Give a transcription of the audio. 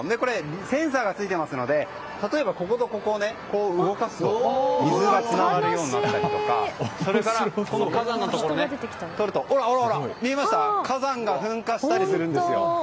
センサーが付いていますので例えば、こことここを動かすと水がつながるようになってたりそれから、火山のところをとると火山が噴火したりするんですよ。